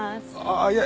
あっいや